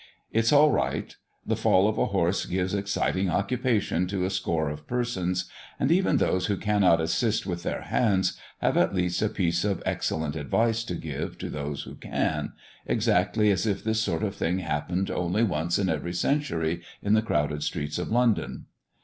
It's all right. The fall of a horse gives exciting occupation to a score of persons, and even those who cannot assist with their hands, have at least a piece of excellent advice to give to those who can, exactly as if this sort of thing happened only once in every century in the crowded streets of London.